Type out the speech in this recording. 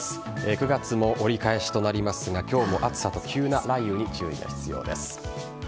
９月も折り返しとなりますが今日も暑さと急な雷雨に注意が必要です。